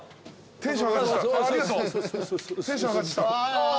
テンション上がってきた。